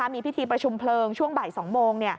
มีพิธีประชุมเพลิงช่วงบ่าย๒โมง